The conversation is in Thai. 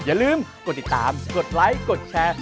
อย่าลืมกดติดตามกดไลค์กดแชร์